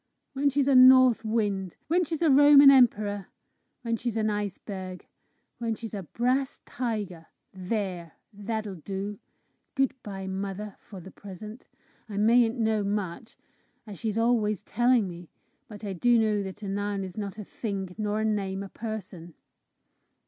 When she's a north wind. When she's a Roman emperor. When she's an iceberg. When she's a brass tiger. There! that'll do. Good bye, mother, for the present! I mayn't know much, as she's always telling me, but I do know that a noun is not a thing, nor a name a person!"